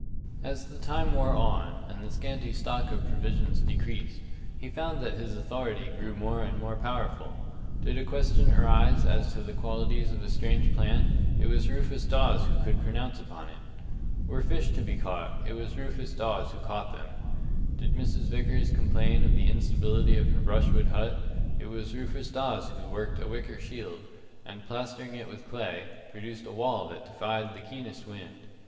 As the time wore on, and the scanty stock of provisions decreased, he found that his authority grew more and more powerful. Did a question arise as to the qualities of a strange plant, it was Rufus Dawes who could pronounce upon it. Were fish to be caught, it was Rufus Dawes who caught them. Did Mrs. Vickers complain of the instability of her brushwood hut, it was Rufus Dawes who worked a wicker shield, and plastering it with clay, produced a wall that defied the keenest wind.